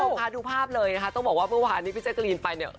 พาดูภาพเลยนะคะต้องบอกว่าเมื่อวานนี้พี่แจกรีนไปเนี่ย